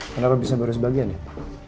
kenapa bisa baru sebagian ya pak